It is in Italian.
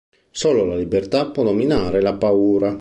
Solo la libertà può dominare la paura.